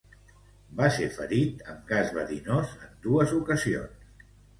Va ser ferit amb gas verinós en dos ocasions.